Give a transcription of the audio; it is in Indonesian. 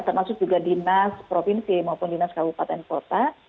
termasuk juga dinas provinsi maupun dinas kabupaten kota